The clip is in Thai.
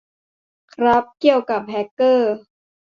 ครับ เกี่ยวกับ แฮกเกอร์